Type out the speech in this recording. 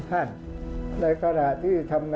ภาคอีสานแห้งแรง